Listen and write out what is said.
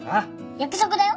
約束だよ。